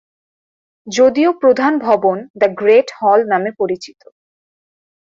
যদিও প্রধান ভবন, যা গ্রেট হল নামে পরিচিত।